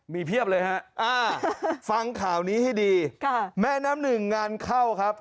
มีเพียบเลยฮะอ่าฟังข่าวนี้ให้ดีค่ะแม่น้ำหนึ่งงานเข้าครับ